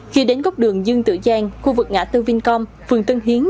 khi đến góc đường dương tự giang khu vực ngã tân vinh công phường tân hiến